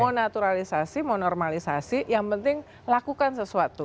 mau naturalisasi mau normalisasi yang penting lakukan sesuatu